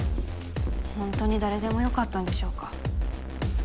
ほんとに誰でもよかったんでしょうか？